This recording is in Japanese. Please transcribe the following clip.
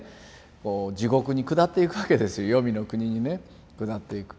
こう地獄に下っていくわけですよ黄泉の国にね下っていく。